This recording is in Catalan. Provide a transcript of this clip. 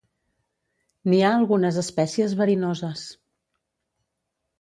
N'hi ha algunes espècies verinoses.